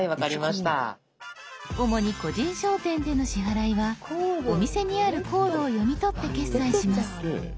主に個人商店での支払いはお店にあるコードを読み取って決済します。